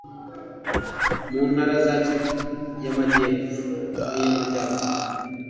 mu Ntara za Kivu y’Amajyepfo n’iy’Amajyaruguru